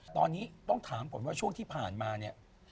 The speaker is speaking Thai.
ตอนนี้ต้องถามก่อนว่าช่วงที่ผ่านมาเนี่ย